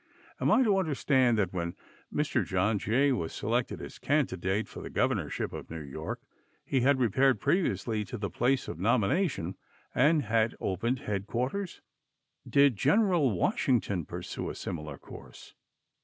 Am I to understand that when Mr. John Jay was selected as a candidate for the Governorship of New York he had repaired previously to the place of nomination and had opened headquarters? Did General Washington pursue a similar course?